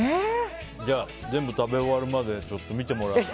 じゃあ全部食べ終わるまでちょっと見てもらって。